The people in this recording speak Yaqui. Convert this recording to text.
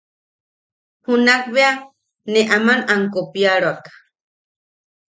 Junak bea ne am kopiaroak.